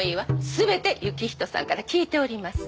全て行人さんから聞いております。